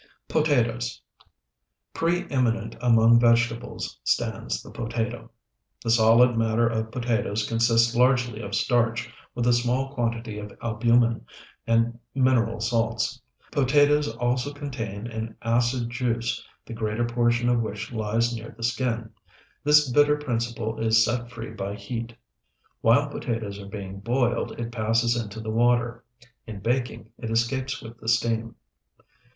POTATOES Pre eminent among vegetables stands the potato. The solid matter of potatoes consists largely of starch, with a small quantity of albumen and mineral salts. Potatoes also contain an acid juice, the greater portion of which lies near the skin. This bitter principle is set free by heat. While potatoes are being boiled, it passes into the water; in baking it escapes with the steam.